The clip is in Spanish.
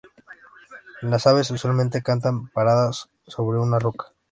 Las aves usualmente cantan paradas sobre una roca.